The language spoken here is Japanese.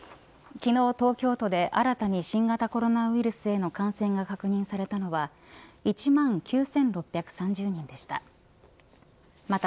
昨日、東京都で新たに新型コロナウイルスへの感染が確認されたのは１万９６３０人でした。